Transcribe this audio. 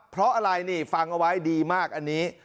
เพราะอะไรนี่ฟังเอาไว้ดีมากอันนี้